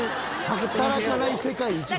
働かない世界一番？